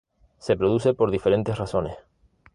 Se produce por diferentes razones.